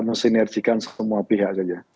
mesinerjikan semua pihak saja